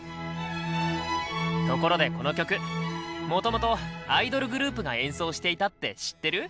ところでこの曲もともとアイドルグループが演奏していたって知ってる？